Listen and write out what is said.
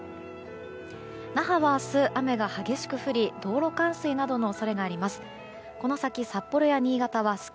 那覇は明日、雨が激しく降り道路冠水などの恐れがあります。